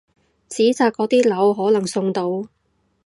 紙紮嗰啲樓可能送到！